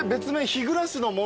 日暮の門。